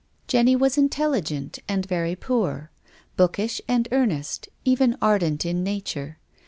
Jenny was intelligent and very poor, bookish and earnest, even ardent in nature.